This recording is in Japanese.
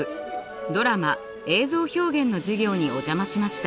「ドラマ・映像表現」の授業にお邪魔しました。